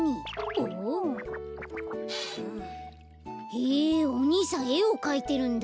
へえおにいさんえをかいてるんだ。